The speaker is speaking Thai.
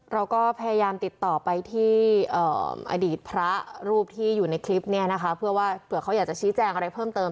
เราก็พยายามติดต่อไปที่อดีตพระรูปที่อยู่ในคลิปเนี่ยนะคะเพื่อว่าเผื่อเขาอยากจะชี้แจงอะไรเพิ่มเติม